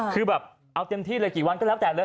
คือแบบเอาเต็มที่เลยกี่วันก็แล้วแต่เลย